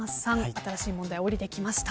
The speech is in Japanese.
新しい問題下りてきました。